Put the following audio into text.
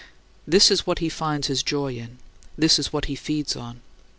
" This is what he finds his joy in; this is what he feeds on.